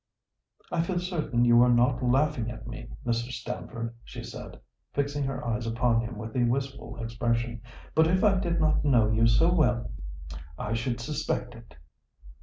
"I feel certain you are not laughing at me, Mr. Stamford," she said, fixing her eyes upon him with a wistful expression; "but if I did not know you so well I should suspect it."